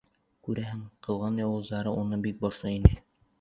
Күрәһең, ҡылған яуызлығы уны бик борсой ине.